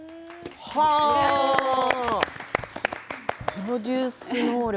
プロデュース能力